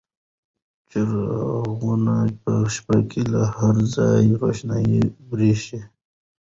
چراغونه په شپې کې له هر ځایه روښانه بریښي.